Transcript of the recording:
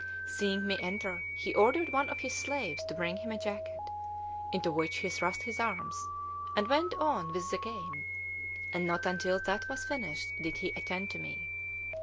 Seeing me enter, he ordered one of his slaves to bring him a jacket, into which he thrust his arms, and went on with the game; and not until that was finished did he attend to me.